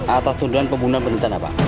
atas tunduan pembunuhan berdencana pak